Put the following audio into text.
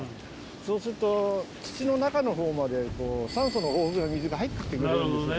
そうすると土の中のほうまで酸素の豊富な水が入って来てくれるんですね。